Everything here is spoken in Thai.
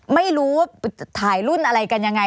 ไม่รู้ว่าถ่ายรุ่นอะไรกันยังไง